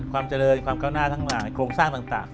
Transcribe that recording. ความเจริญความก้าวหน้าทั้งหลายโครงสร้างต่าง